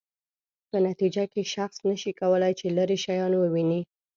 په نتیجه کې شخص نشي کولای چې لیرې شیان وویني.